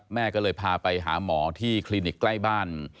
แม่ก็เลยพาไปหาหมอที่คลินิกใกล้บ้าน